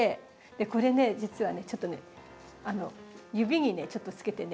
これね実はねちょっとね指にねちょっとつけてね。